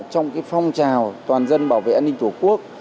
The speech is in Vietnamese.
trong phong trào toàn dân bảo vệ an ninh tổ quốc